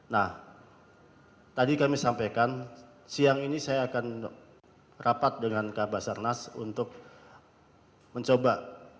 nah tadi kami sampaikan siang ini saya akan rapat dengan kabasarnas untuk mencoba